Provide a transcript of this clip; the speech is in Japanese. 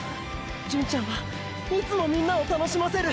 純ちゃんはいつもみんなを楽しませる！！